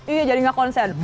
iya jadi gak konsen